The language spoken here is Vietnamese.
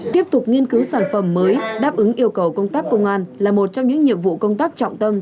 tiếp tục nghiên cứu sản phẩm mới đáp ứng yêu cầu công tác công an là một trong những nhiệm vụ công tác trọng tâm